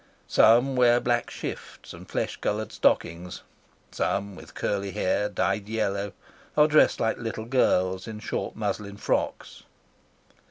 Some wear black shifts and flesh coloured stockings; some with curly hair, dyed yellow, are dressed like little girls in short muslin frocks.